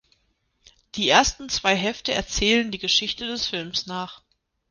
Die ersten zwei Hefte erzählen die Geschichte des Films nach.